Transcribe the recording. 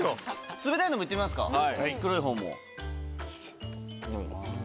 冷たいのも行ってみますか黒いほうも。